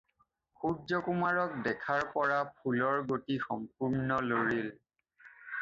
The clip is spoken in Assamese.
সূৰ্য্যকুমাৰক দেখাৰ পৰা ফুলৰ গতি সম্পূৰ্ণ লৰিল।